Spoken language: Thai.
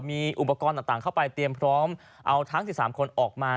มีอุปกรณ์ต่างเข้าไปเตรียมพร้อมเอาทั้ง๑๓คนออกมา